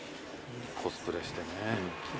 コスプレしてね。